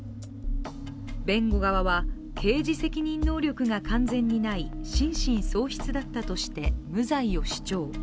弁護側は、刑事責任能力が完全にない心神喪失だったとして無罪を主張。